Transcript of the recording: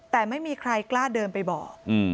แต่ไม่มีใครกล้าเดินไปบอก